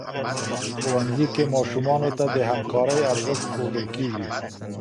ښوونځي کي ماشومانو ته د همکارۍ ارزښت ښودل کيږي.